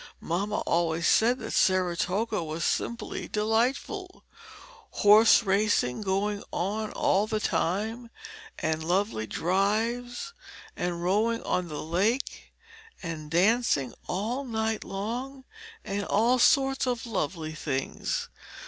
Mamma always said that Saratoga was simply delightful horse racing going on all the time, and lovely drives, and rowing on the lake, and dancing all night long, and all sorts of lovely things.